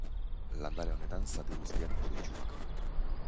Landare honen zati guztiak pozoitsuak.